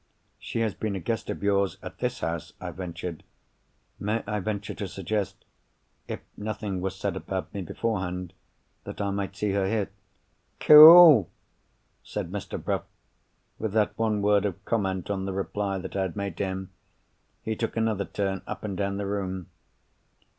"She has been a guest of yours at this house," I answered. "May I venture to suggest—if nothing was said about me beforehand—that I might see her here?" "Cool!" said Mr. Bruff. With that one word of comment on the reply that I had made to him, he took another turn up and down the room.